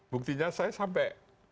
buktinya saya sampai